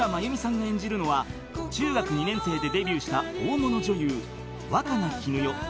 演じるのは中学２年生でデビューした大物女優若菜絹代］